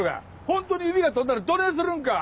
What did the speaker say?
ホントに指が飛んだらどねぇするんか！